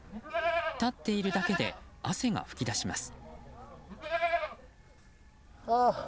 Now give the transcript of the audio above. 立っているだけで汗が噴き出します。